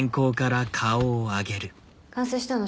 完成したの？